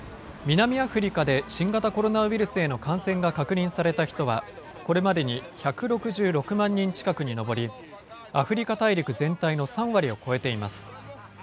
南アフリカで新型コロナウイルスへの感染が確認された人はこれまでに１６６万人近くに上り、アフリカ大陸全体の３割を超えています。